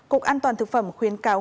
cục an toàn thực phẩm khuyến cáo